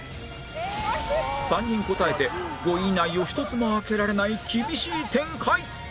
３人答えて５位以内を１つも開けられない厳しい展開！